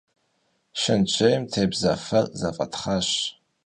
Шэнтжьейм тебза фэр зэфӏэтхъащ.